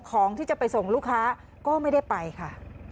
ของที่จะไปส่งลูกค้าก็ไม่ได้ไปค่ะ